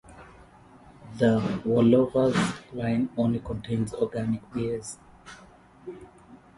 The Wolaver's line only contains organic beers.